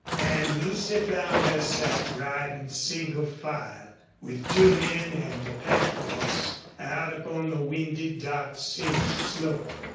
And Lucy found herself riding single file, with two men and a pack horse, out upon the windy, dark sage slope.